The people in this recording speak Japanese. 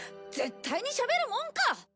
絶対にしゃべるもんか！